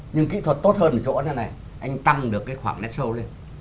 nhưng kỹ thuật tốt hơn ở chỗ này anh tăng được cái khoảng nét sâu lên